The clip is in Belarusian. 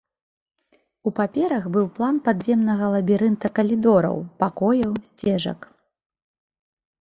У паперах быў план падземнага лабірынта калідораў, пакояў, сцежак.